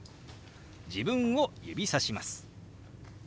自分を指さします。